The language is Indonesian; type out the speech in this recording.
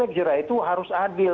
dan efek jerah itu harus adil